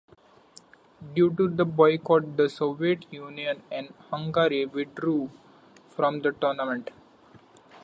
Due to the boycott, the Soviet Union and Hungary withdrew from the tournament.